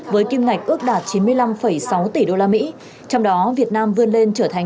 với kim ngạch ước đạt chín mươi năm sáu tỷ usd trong đó việt nam vươn lên trở thành